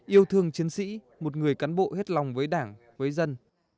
yêu thương chiến sĩ một người cán bộ hết lòng với đảng với dân